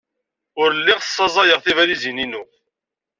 Ur lliɣ ssaẓayeɣ tibalizin-inu.